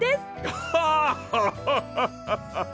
ガハハハハハッ！